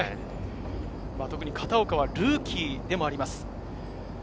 片岡はルーキーでもあります。